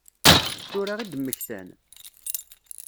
Tura i d-mmektan?